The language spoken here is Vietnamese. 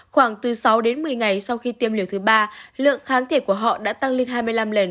khoảng từ sáu đến một mươi ngày sau khi tiêm liều thứ ba lượng kháng thể của họ đã tăng lên hai mươi năm lần